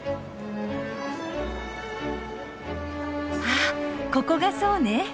あここがそうね。